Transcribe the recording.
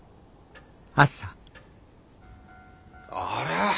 あれ？